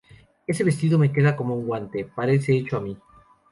Ese vestido me queda como un guante, parece hecho para mí